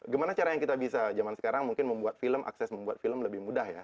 gimana cara yang kita bisa zaman sekarang mungkin membuat film akses membuat film lebih mudah ya